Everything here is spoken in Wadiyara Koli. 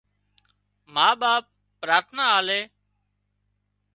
ما ٻاپ پراٿنا آلي